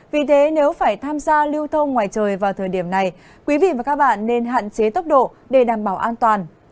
vì thế nếu phải tham gia lưu thông ngoài trời vào thời điểm này quý vị và các bạn nên hạn chế tốc độ để đảm bảo an toàn